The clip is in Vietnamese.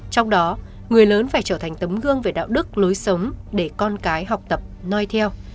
trong đó người lớn phải trở thành tấm gương về đạo đức lối sống để con cái học tập nói theo